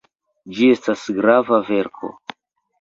Ĝi estas grava verko.